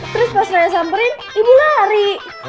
terus pas saya samperin ibu lari